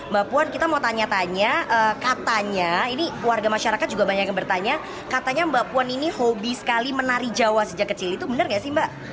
mbak puan kita mau tanya tanya katanya ini warga masyarakat juga banyak yang bertanya katanya mbak puan ini hobi sekali menari jawa sejak kecil itu benar nggak sih mbak